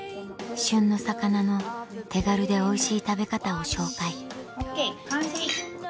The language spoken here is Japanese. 旬の魚の手軽でおいしい食べ方を紹介ＯＫ完成！